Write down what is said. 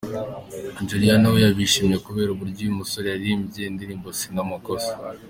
Juliana we yabyishimiye kubera uburyo uyu musore yaririmbye indirimbo Sina Makosa.